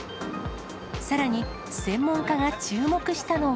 さらに専門家が注目したのは。